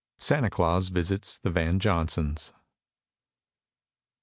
SANTA CLAUS VISITS THE VAN JOHNSONS.